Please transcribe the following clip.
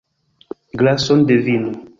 Glason da vino.